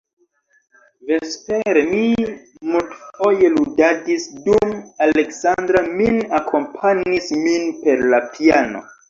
Vespere mi multfoje ludadis, dum Aleksandra min akompanis min per la piano.